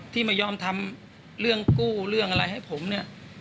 ที่ไม่ยอมทำเรื่องกู้เรื่องอะไรให้ผมเนี่ย